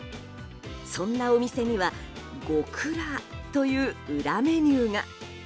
そんなお店には獄辣という裏メニューが。